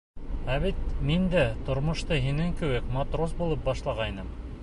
Ә бит мин дә тормошто һинең кеүек матрос булып башлағайным.